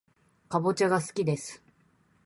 かぼちゃがすきです